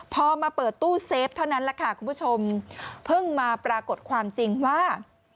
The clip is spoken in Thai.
พอมาเปิดตู้เซฟเท่านั้นแหละค่ะคุณผู้ชมเพิ่งมาปรากฏความจริงว่า